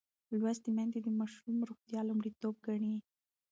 لوستې میندې د ماشوم روغتیا لومړیتوب ګڼي.